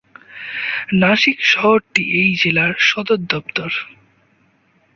নাশিক শহরটি এই জেলা সদর দপ্তর।